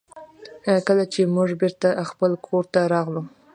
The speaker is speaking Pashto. کله چې موږ بېرته خپل کور ته راغلو.